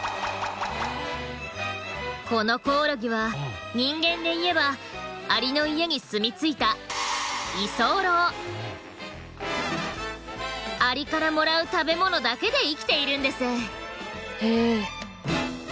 このコオロギは人間でいえばアリの家に住み着いたアリからもらう食べ物だけで生きているんです。